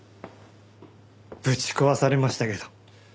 ぶち壊されましたけど。